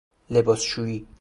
لباسشویی